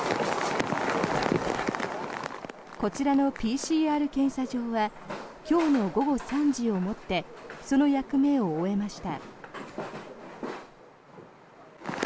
こちらのＰＣＲ検査場は今日の午後３時をもってその役目を終えました。